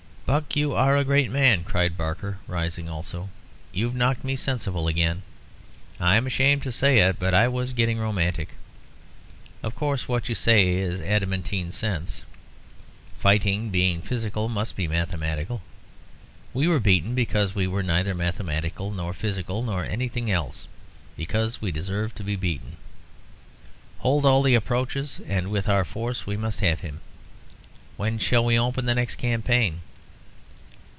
"Buck, you are a great man!" cried Barker, rising also. "You've knocked me sensible again. I am ashamed to say it, but I was getting romantic. Of course, what you say is adamantine sense. Fighting, being physical, must be mathematical. We were beaten because we were neither mathematical nor physical nor anything else because we deserved to be beaten. Hold all the approaches, and with our force we must have him. When shall we open the next campaign?"